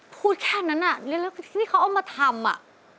พูดแค่นนั้นน่ะนี่ที่เขาเอามาทำ